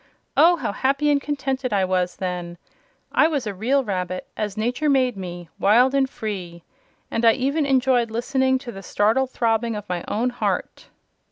Oh, how happy and contented I was then! I was a real rabbit, as nature made me wild and free! and I even enjoyed listening to the startled throbbing of my own heart!"